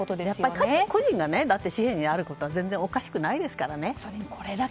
各個人が紙幣になることは全然おかしくないですからね。